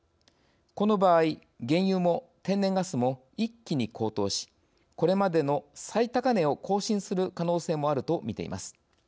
この場合、原油も天然ガスも一気に高騰しこれまでの最高値を更新する可能性もあると見ています。